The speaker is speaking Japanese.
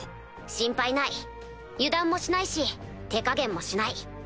心配ない油断もしないし手加減もしない。